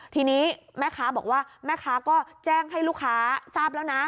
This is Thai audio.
ทีนี้แม่ค้าบอกว่าแม่ค้าก็แจ้งให้ลูกค้าทราบแล้วนะ